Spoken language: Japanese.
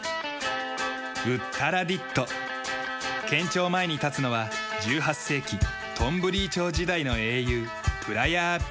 県庁前に立つのは１８世紀トンブリー朝時代の英雄プラヤーピチャイ。